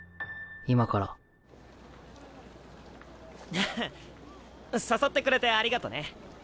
今からははっ誘ってくれてありがとね。